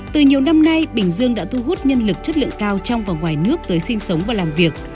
từ nhiều năm nay bình dương đã thu hút nhân lực chất lượng cao trong và ngoài nước tới sinh sống và làm việc